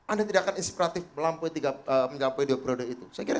anda tidak akan inspiratif melampaui mencapai dua periode itu